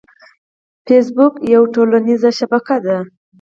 فېسبوک یوه ټولنیزه شبکه ده